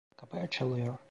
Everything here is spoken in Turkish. Kapı açılıyor.